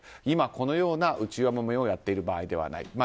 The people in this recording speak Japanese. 今このような内輪もめをやっている場合ではない。